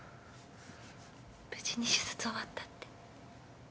無事に手術終わったって。